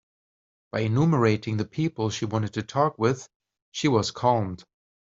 By enumerating the people she wanted to talk with, she was calmed.